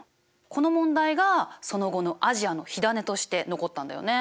この問題がその後のアジアの火種として残ったんだよね。